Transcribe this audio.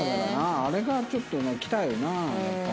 あれがちょっときたよなやっぱり。